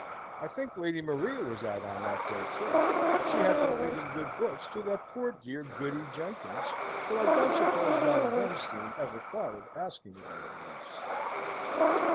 I think Lady Maria was out on that day, too; she had been reading good books to that poor dear Goody Jenkins, though I don't suppose Madame Bernstein ever thought of asking about her niece.